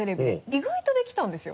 意外とできたんですよ。